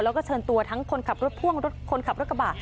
แล้วก็เชิญตัวทั้งคนขับรถพ่วงรถคนขับรถกระบะ